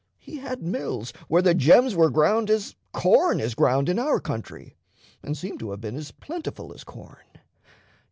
He had mills where the gems were ground as corn is ground in our country, and seem to have been as plentiful as corn.